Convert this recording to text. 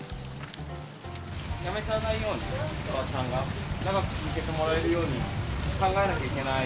辞めちゃわないように、パートさんが、長く続けてもらえるように考えなきゃいけない。